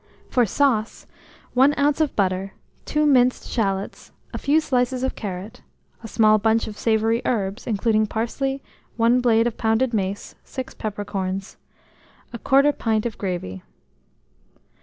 For sauce, 1 oz. of butter, 2 minced shalots, a few slices of carrot, a small bunch of savoury herbs, including parsley, 1 blade of pounded mace, 6 peppercorns, 1/4 pint of gravy.